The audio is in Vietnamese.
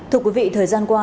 thưa quý vị thời gian qua